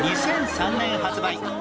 ２００３年発売